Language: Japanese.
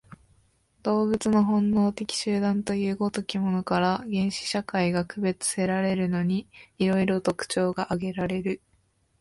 動物の本能的集団という如きものから、原始社会が区別せられるのに、色々特徴が挙げられる。